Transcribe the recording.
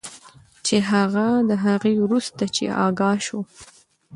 چې هغه د هغې وروسته چې آګاه شو